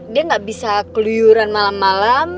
dia nggak bisa keluyuran malam malam